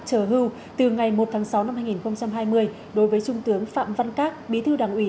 trở hưu từ ngày một tháng sáu năm hai nghìn hai mươi đối với trung tướng phạm văn các bí thư đảng ủy